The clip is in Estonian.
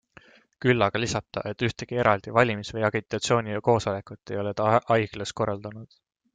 Küll aga lisab ta, et ühtegi eraldi valimis- või agitatsioonikoosolekut ei ole ta haiglas korraldanud.